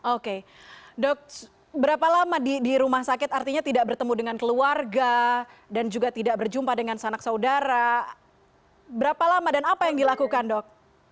oke dok berapa lama di rumah sakit artinya tidak bertemu dengan keluarga dan juga tidak berjumpa dengan sanak saudara berapa lama dan apa yang dilakukan dok